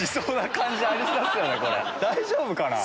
大丈夫かな？